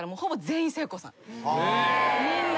みんな。